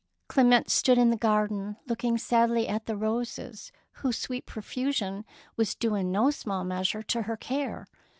Clemence stood in the garden look ing sadly at the roses whose sweet pro fusion was due in no small measure to her care.